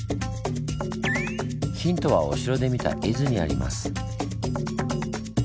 ヒントはお城で見た絵図にあります。